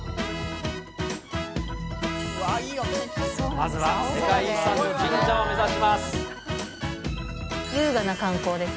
まずは世界遺産の神社を目指します。